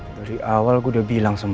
dari awal gue udah bilang sama